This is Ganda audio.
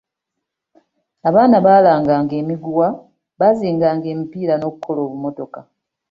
Abaana baalanganga emiguwa, baazinganga emipiira n'okukola obumotoka.